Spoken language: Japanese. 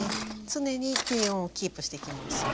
常に低温をキープしていきます。